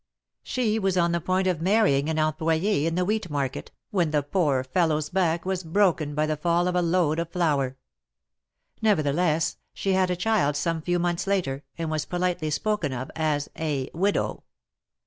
She was on the point of marrying an employ^ in the wheat market, when the poor fellow^s back was broken by the fall of a load of flour. Never theless, she had a child some few months later, and was politely spoken of as a widow.